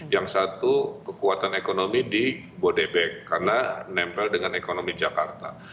yang satu kekuatan ekonomi di bodebek karena nempel dengan ekonomi jakarta